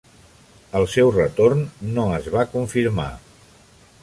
El seu retorn no es va confirmar.